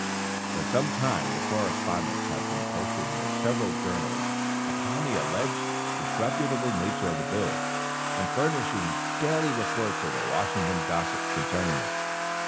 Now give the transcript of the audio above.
For some time the correspondents had been posting their several journals upon the alleged disreputable nature of the bill, and furnishing daily reports of the Washington gossip concerning it.